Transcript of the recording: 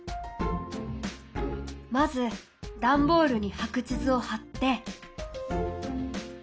まずダンボールに白地図を貼って！